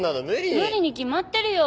無理に決まってるよ。